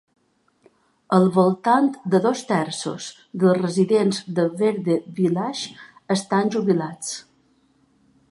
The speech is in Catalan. Al voltant de dos terços dels residents de Verde Village estan jubilats.